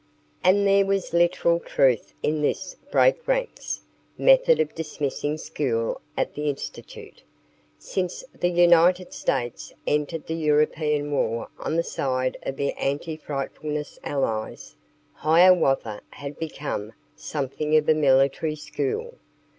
And there was literal truth in this "break ranks" method of dismissing school at the Institute. Since the United States entered the European war on the side of the anti frightfulness allies, Hiawatha had become something of a military school.